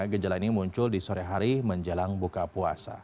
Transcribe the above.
gejala ini muncul di sore hari menjelang buka puasa